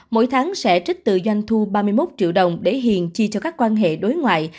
mỗi tháng sẽ trích từ doanh thu ba mươi một triệu đồng để hiền chi cho các quan hệ đối ngoại